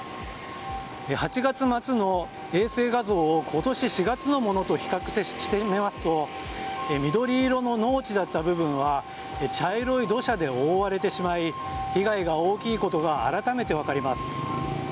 ８月末の衛星画像を今年４月のものと比較してみると緑色の農地だった部分は茶色い土砂で覆われてしまい被害が大きいことが改めて分かります。